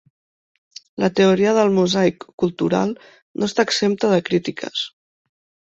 La teoria del "mosaic cultural" no està exempta de crítiques.